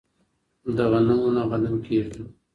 د غنمو نه غنم کيږي.